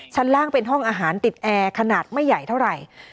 ชั้นล่างเป็นห้องอาหารติดแอร์ขนาดไม่ใหญ่เท่าไหร่